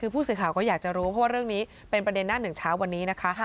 คือผู้สื่อข่าวก็อยากจะรู้เพราะว่าเรื่องนี้เป็นประเด็นหน้าหนึ่งเช้าวันนี้นะคะ